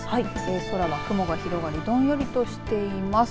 空は雲が広がりどんよりとしています。